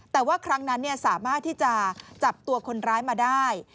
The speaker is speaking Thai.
แต่ว่าครั้งนั้นสามารถที่จะจับตัวคนร้ายมาได้